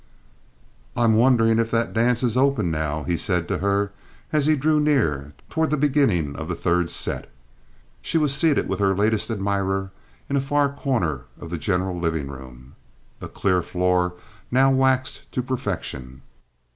"I'm wondering if that dance is open now," he said to her as he drew near toward the beginning of the third set. She was seated with her latest admirer in a far corner of the general living room, a clear floor now waxed to perfection.